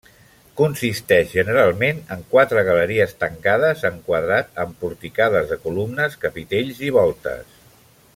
Consisteix generalment en quatre galeries tancades en quadrat amb porticades de columnes, capitells i voltes.